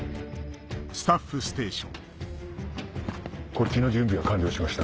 こっちの準備は完了しました。